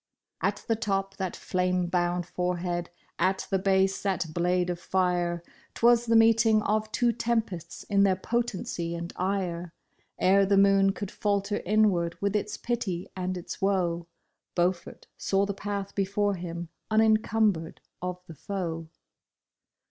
At the top that flame bound forehead, at the base that blade of fire — 'Twas the meeting of two tempests in their potency and ire. Ere the moon could falter inward with its pity and its vv^oe, Beaufort saw the path before him unencumbered of the foe.